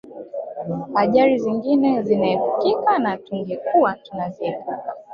Ajali nyingine zingeepukika na tungekuwa tunaziepuka